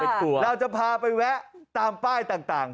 เราจะพาไปแวะตามป้ายต่าง